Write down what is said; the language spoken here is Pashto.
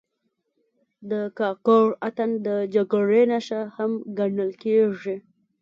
د کاکړ اتن د جګړې نښه هم ګڼل کېږي.